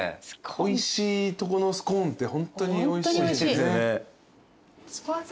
おいしいとこのスコーンってホントにおいしい。